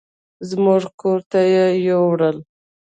زموږ کور ته يې يوړل.